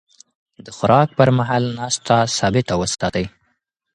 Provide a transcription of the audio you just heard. د خوراک پر مهال ناسته ثابته وساتئ.